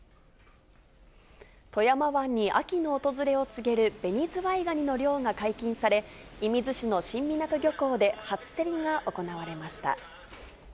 富山湾に秋の訪れを告げるベニズワイガニの漁が解禁され、射水市の新湊漁港で初競りが行われました。